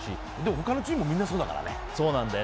他のチームもみんなそうだからね。